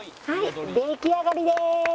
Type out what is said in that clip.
出来上がりです！